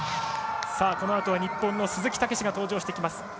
このあとは日本の鈴木猛史が登場してきます。